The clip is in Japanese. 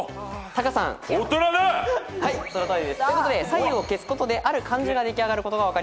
左右を消すことである漢字が出来上がることが分かります。